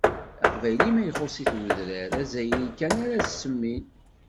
Aqbayli ma ixuṣṣ-it udrar, azzayri kan ara s-semmin.